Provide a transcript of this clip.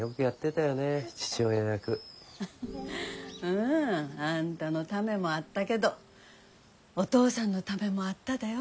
うん。あんたのためもあったけどお父さんのためもあっただよ。